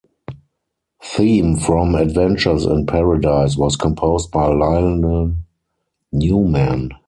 "Theme from Adventures in Paradise" was composed by Lionel Newman.